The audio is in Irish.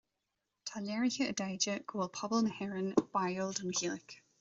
Tá léirithe i dtaighde go bhfuil pobal na hÉireann báúil don Ghaeilge